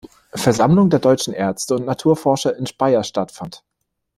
Versammlung der deutschen Ärzte und Naturforscher in Speyer stattfand.